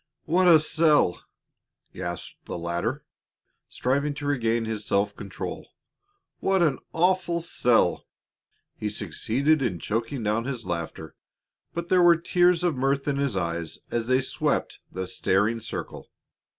"What a sell!" gasped the latter, striving to regain his self control; "what an awful sell!" He succeeded in choking down his laughter, but there were tears of mirth in his eyes as they swept the staring circle.